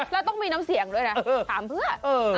แล้วต้องมีน้ำเสียงด้วยนะถามเพื่อ